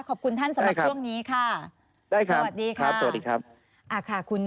ขอบคุณท่านสำหรับช่วงนี้ค่ะสวัสดีค่ะค่ะสวัสดีครับได้ครับ